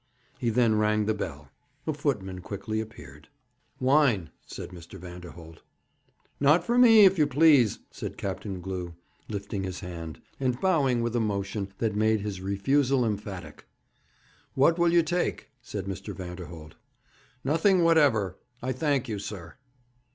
He then rang the bell. A footman quickly appeared. 'Wine,' said Mr. Vanderholt. 'Not for me, if you please,' said Captain Glew, lifting his hand, and bowing with a motion that made his refusal emphatic. 'What will you take?' said Mr. Vanderholt. 'Nothing whatever, I thank you, sir.'